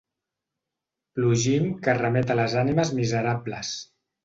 Plugim que remet a les ànimes miserables.